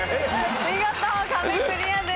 見事壁クリアです。